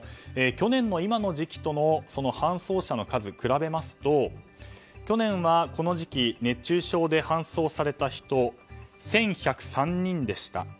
去年の今の時期との搬送者の数比べますと去年はこの時期熱中症で搬送された人１１０３人でした。